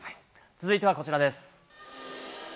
続いてはこちらです。